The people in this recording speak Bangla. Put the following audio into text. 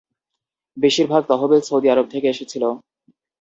বেশিরভাগ তহবিল সৌদি আরব থেকে এসেছিল।